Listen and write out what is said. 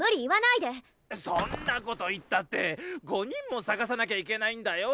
そんな事言ったって５人も探さなきゃいけないんだよ。